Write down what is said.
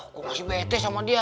kok masih bete sama dia